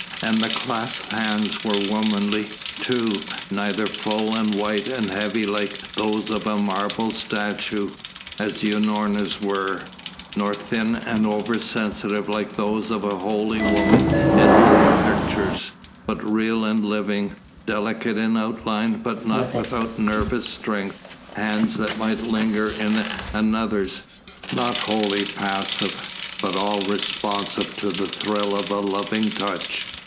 And the clasped hands were womanly, too, neither full and white and heavy like those of a marble statue, as Unorna's were, nor thin and over sensitive like those of holy women in old pictures, but real and living, delicate in outline, but not without nervous strength, hands that might linger in another's, not wholly passive, but all responsive to the thrill of a loving touch.